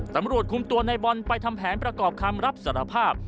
ตำรวจคุมตัวในบอลไปทำแผนประกอบคำรับสารภาพ